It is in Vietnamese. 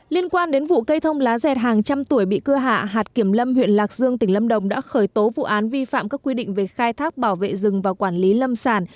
liên quan đến vụ cây thông lá dẹt hàng trăm tuổi bị cưa hạ hạt kiểm lâm huyện lạc dương tỉnh lâm đồng đã khởi tố vụ án vi phạm các quy định về khai thác bảo vệ rừng và quản lý lâm sản